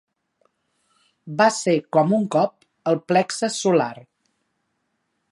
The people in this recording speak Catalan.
Va ser com un cop al plexe solar.